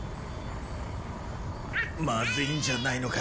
まずいんじゃないのか？